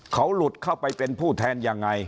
เขาหลุดเข้าไปเป็นผู้แทนยังไง